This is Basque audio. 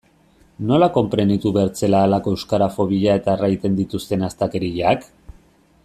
Nola konprenitu bertzela halako euskarafobia eta erraiten dituzten astakeriak?